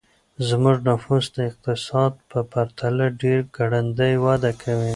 زموږ نفوس د اقتصاد په پرتله ډېر ګړندی وده کوي.